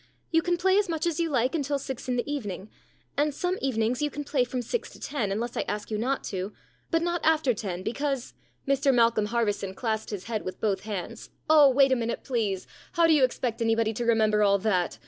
You can play as much as you like until six in the evening, and some evenings you can play from six to ten, unless I ask you not to, but not after ten, because Mr Malcolm Harverson clasped his head with both hands. " Oh, wait a minute, please ! How do you expect anybody to remember all that